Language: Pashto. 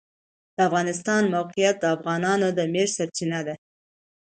د افغانستان د موقعیت د افغانانو د معیشت سرچینه ده.